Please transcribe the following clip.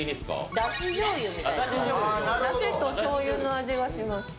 だしとしょうゆの味がします。